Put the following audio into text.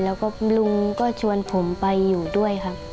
แล้วก็ลุงก็ชวนผมไปอยู่ด้วยครับ